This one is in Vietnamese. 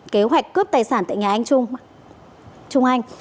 kế hoạch cướp tài sản tại nhà anh trung anh